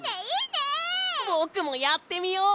ぼくもやってみよう！